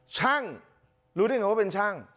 ช่างรู้ได้ไงว่าเป็นช่าง